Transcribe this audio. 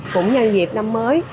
cũng nhân dịp năm mới